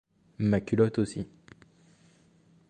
Ma culotte aussi.